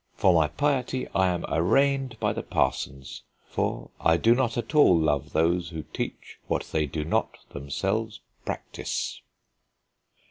For my piety I am arraigned by the parsons, for ... I do not at all love those who teach what they do not themselves practise."